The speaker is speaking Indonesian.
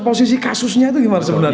posisi kasusnya itu gimana sebenarnya